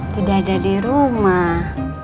tidak ada di rumah